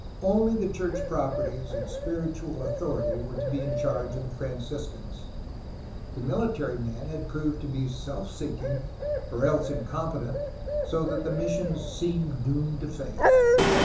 Only the church properties and spiritual authority were to be in charge of the Franciscans. The mihtary men had proved to be self seeking or else in competent, so that the missions seemed doomed to fail.